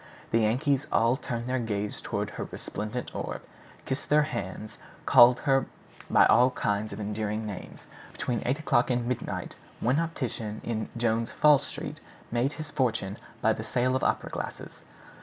The Yankees all turned their gaze toward her resplendent orb, kissed their hands, called her by all kinds of endearing names. Between eight o'clock and midnight one optician in Jones' Fall Street made his fortune by the sale of opera glasses.